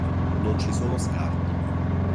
Non ci sono scarti.